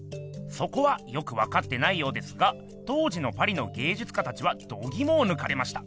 そこはよくわかってないようですが当時のパリの芸術家たちはどぎもをぬかれました。